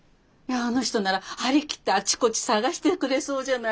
あの人なら張り切ってあちこち捜してくれそうじゃないですか。